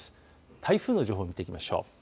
台風の情報見ていきましょう。